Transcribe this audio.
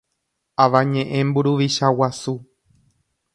Avañeʼẽ mburuvicha guasu.